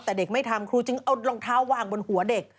แต่เด็กไม่ทำครูจึงเอารองเท้าวางบนหัวเด็ก